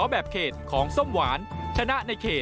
แบบเขตของส้มหวาน